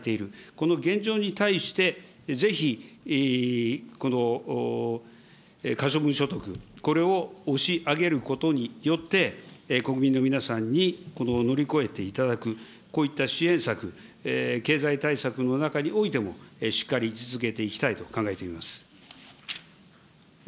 この現状に対してぜひ、可処分所得、これを押し上げることによって、国民の皆さんに乗り越えていただく、こういった支援策、経済対策の中においても、しっかり位置づけていきたいと考えております。